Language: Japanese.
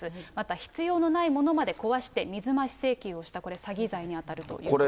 また必要のないものまで壊して、水増し請求をした、これ詐欺罪に当たるということですね。